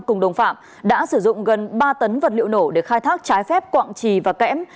cùng đồng phạm đã sử dụng gần ba tấn vật liệu nổ để khai thác trái phép quạng trì và kẽm